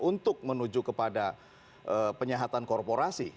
untuk menuju kepada penyahatan korporasi